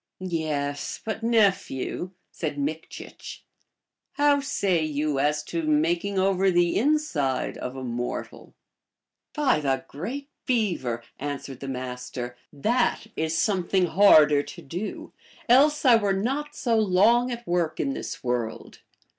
" Yes ; but, nephew," said Mikchich, " how say you as to making over the inside of a mortal ?"" By the great Beaver !" answered the Master, " that is something harder to do, else I were not so long at work in this world.